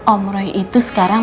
om roy itu sekarang